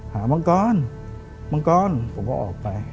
มังกรมังกรผมก็ออกไป